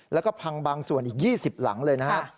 แล้วก็พังบางส่วนอีก๒๐หลังเลยนะครับ